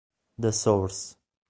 The Source